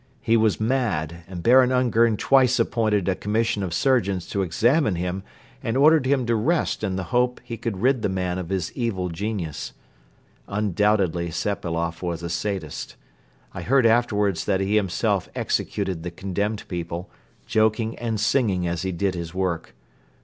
He was mad and Baron Ungern twice appointed a commission of surgeons to examine him and ordered him to rest in the hope he could rid the man of his evil genius. Undoubtedly Sepailoff was a sadist. I heard afterwards that he himself executed the condemned people, joking and singing as he did his work.